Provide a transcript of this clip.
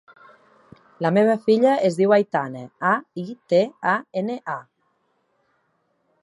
La meva filla es diu Aitana: a, i, te, a, ena, a.